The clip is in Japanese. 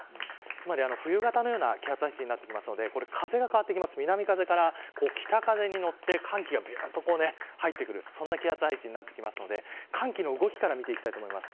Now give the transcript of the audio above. つまり冬型のような気圧配置になってくるので風が南風から北風に乗って寒気がぐっと入ってくる気圧配置になってくるので寒気の動きから見ていきたいと思います。